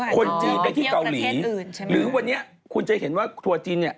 คนจีนไปที่เกาหลีหรือวันนี้คุณจะเห็นว่าครัวจีนเนี่ย